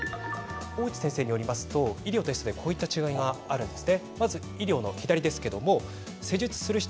大内先生によりますとこういった違いがあるんです。